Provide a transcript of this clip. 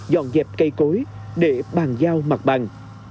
dọn dẹp cây cối để bàn giao mặt bằng